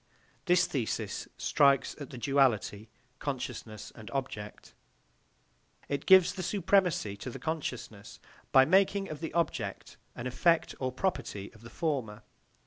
This thesis strikes at the duality consciousness and object; it gives the supremacy to the consciousness by making of the object an effect or property of the former.